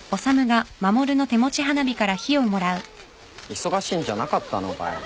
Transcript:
忙しいんじゃなかったのかよ。